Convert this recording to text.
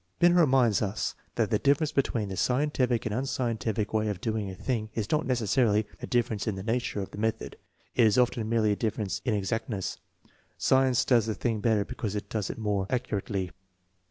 " Binet reminds us that the difference between the scientific and unscientific way of doing a thing is not necessarily a difference in the nature 3 fc THE MEASUREMENT OF INTELLIGENCE of the method; it is often merely a difference in exactness. Science does the thing better, because it does it more accurately.